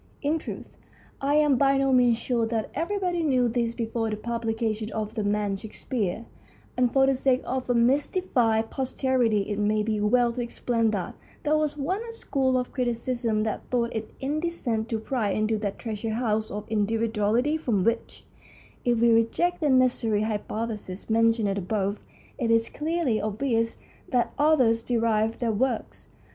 In truth, I am by no means sure that everybody knew this before the publication of " The Man Shakespeare/' and for the sake of a mystified posterity it may be well to explain that there was once a school of criticism that thought it indecent to pry into that treasure house of individuality from which, if we reject the nursery hypotheses mentioned above, it is clearly obvious that authors derive their works.